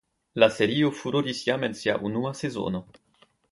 La serio furoris jam en sia unua sezono.